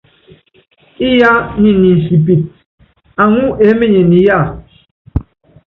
Íyá nyi ni nsípítí, aŋúu eémenyen yía?